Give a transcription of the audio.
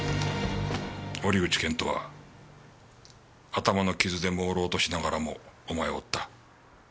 折口謙人は頭の傷で朦朧としながらもお前を追った。